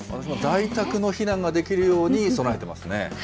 在宅の避難ができるように備えてますね。